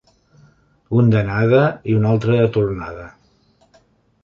Un d'anada i un altre de tornada.